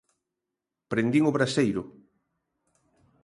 Prendín o braseiro.